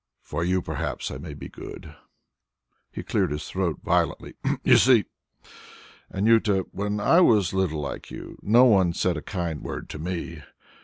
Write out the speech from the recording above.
"For you perhaps I may be good" he cleared his throat violently "You see, Anjuta, when I was little like you, no one said a kind word to me.